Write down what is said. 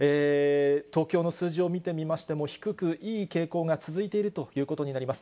東京の数字を見てみましても、低く、いい傾向が続いているということになります。